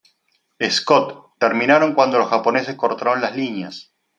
Scott, terminaron cuando los japoneses cortaron las líneas.